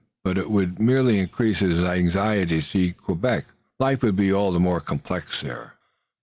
But it merely increased his anxiety to see Quebec. Life would be all the more complex there.